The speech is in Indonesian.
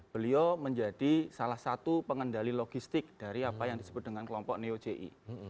beliau menjadi salah satu pengendali logistik dari apa yang disebut dengan kelompok neo ji